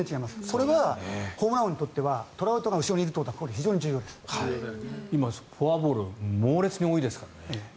それはホームラン王にとってはトラウトが後ろにいるということは今、フォアボール猛烈に多いですからね。